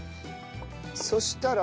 そしたら？